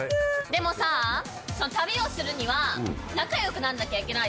でもさ旅をするには仲良くなんなきゃいけないでしょ。